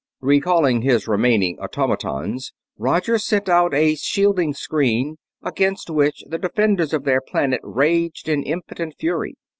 Recalling his remaining automatons, Roger sent out a shielding screen, against which the defenders of their planet raged in impotent fury.